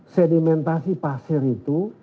sedimentasi pasir itu